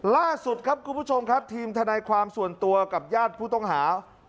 ล่าสุดครับคุณผู้ชมครับทีมทนายความส่วนตัวกับญาติผู้ต้องหา